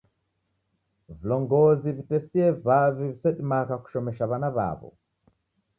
Vilongozi w'itesie w'avu w'isedimagha kushomesha w'ana w'aw'o